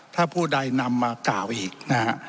ถ้าผู้ใดนำมากล่าวอีกนะฮะ